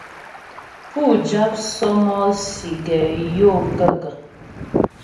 Pú jáp sɔ́mɔ́sì gɛ yó m gaə̂kə́ ?